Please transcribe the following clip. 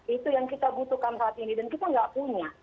itu yang kita butuhkan saat ini dan kita nggak punya